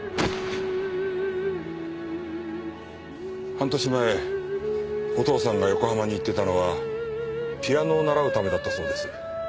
半年前お父さんが横浜に行っていたのはピアノを習うためだったそうです。